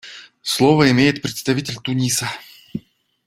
Слово имеет представитель Туниса.